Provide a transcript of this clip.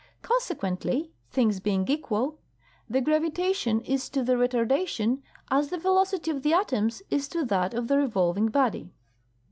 Consequently (things being equal) the gravi tation is to the retardation as the velocity of the atoms is to that of the revolving body.